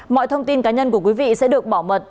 mọi thông tin cá nhân của quý vị sẽ được bảo mật